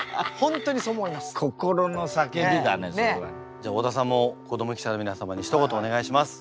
じゃ太田さんも子ども記者の皆様にひと言お願いします！